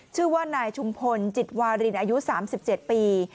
ชื่อว่านายชุมพลจิตวารินอายุ๓๗ปี